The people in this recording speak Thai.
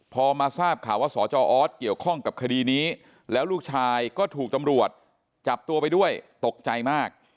พอมาทราบข่าวว่าสจออสเกี่ยวข้องกับคดีนี้แล้วลูกชายก็ถูกตำรวจจับตัวไปด้วยตกใจมาก